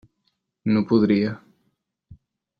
No podria.